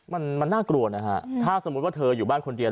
มันมันน่ากลัวนะฮะถ้าสมมุติว่าเธออยู่บ้านคนเดียว